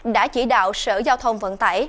đã chỉ đạo sở giao thông vận tải